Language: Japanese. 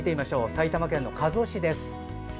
埼玉県加須市です。